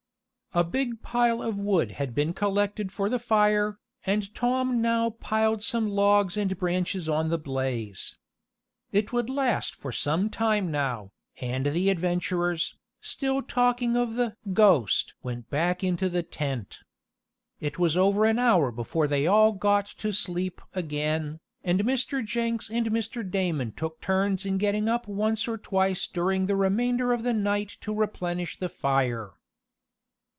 A big pile of wood had been collected for the fire, and Tom now piled some logs and branches on the blaze. It would last for some time now, and the adventurers, still talking of the "ghost" went back into the tent. It was over an hour before they all got to sleep again, and Mr. Jenks and Mr. Damon took turns in getting up once or twice during the remainder of the night to replenish the fire.